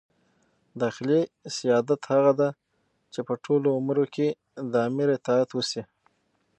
داخلي سیادت هغه دئ، چي په ټولو امورو کښي د امیر اطاعت وسي.